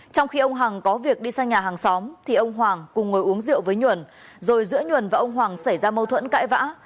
trong khi ông hằng có việc đi sang nhà hàng xóm thì ông hoàng cùng ngồi uống rượu với nhuần rồi giữa nhuần và ông hoàng xảy ra mâu thuẫn cãi vã